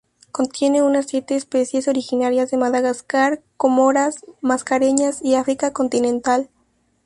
Contiene unas siete especies originarias de Madagascar, Comoras, Mascareñas y África continental.